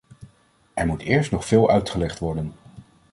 Er moet eerst nog veel uitgelegd worden.